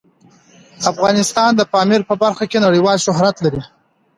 افغانستان د پامیر په برخه کې نړیوال شهرت لري.